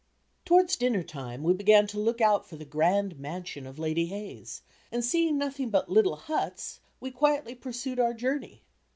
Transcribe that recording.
Towards dinner time, we began to look out for the grand mansion of "Lady Hayes," and seeing nothing but little huts we quietly pursued our journey.